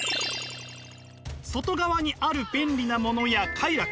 外側にある便利なものや快楽。